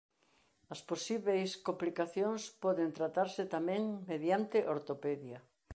As posíbeis complicacións poden tratarse tamén mediante ortopedia.